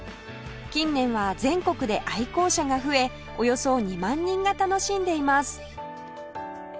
近年は全国で愛好者が増えおよそ２万人が楽しんでいます